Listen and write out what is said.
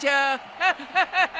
アハハハ。